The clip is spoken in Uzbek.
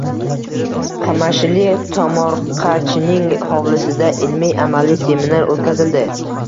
Qamashilik tomorqachining hovlisida ilmiy-amaliy seminar o‘tkazildi